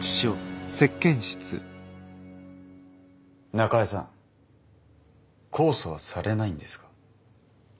中江さん控訴はされないんですか？